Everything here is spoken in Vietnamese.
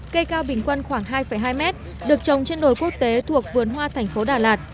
cây cao bình quân khoảng hai hai mét được trồng trên đồi quốc tế thuộc vườn hoa thành phố đà lạt